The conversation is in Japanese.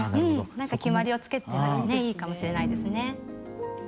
何か決まりをつけてもいいかもしれないですね。